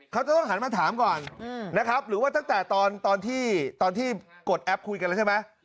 เขาจะต้องหันมาถามก่อนนะครับหรือว่าตั้งแต่ตอนที่ตอนที่กดแอปคุยกันแล้วใช่ไหม